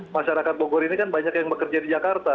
masyarakat bogor ini kan banyak yang bekerja di jakarta